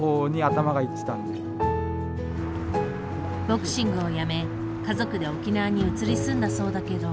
ボクシングをやめ家族で沖縄に移り住んだそうだけど。